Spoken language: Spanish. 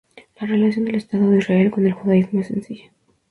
La relación del Estado de Israel con el judaísmo es sencilla.